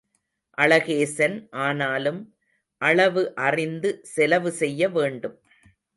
அளகேசன் ஆனாலும் அளவு அறிந்து செலவு செய்ய வேண்டும்.